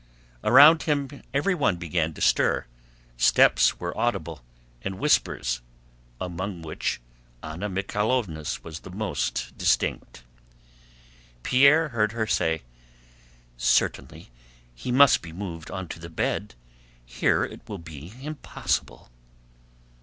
Around him everyone began to stir: steps were audible and whispers, among which Anna Mikháylovna's was the most distinct. Pierre heard her say: "Certainly he must be moved onto the bed; here it will be impossible..."